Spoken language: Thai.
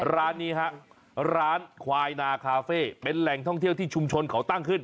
ร้านนี้ฮะร้านควายนาคาเฟ่เป็นแหล่งท่องเที่ยวที่ชุมชนเขาตั้งขึ้น